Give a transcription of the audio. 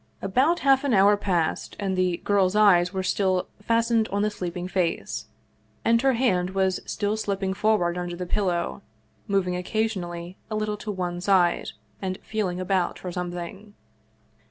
About half an hour passed, and the girl's eyes were still fastened on the sleeping face, and her hand was still slip ping forward under the pillow, moving occasionally a little to one side, and feeling about for something.